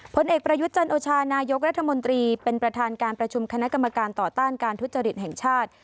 ผลเอกประยุทธ์จันโอชานายกรัฐมนตรีเป็นประธานการประชุมคณะกรรมการต่อต้านการทุจริตแห่งชาติ